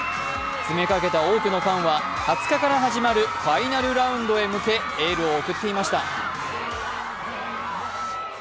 詰めかけた多くのファンは２０日から始まるファイナルラウンドに向けエールを送っていました。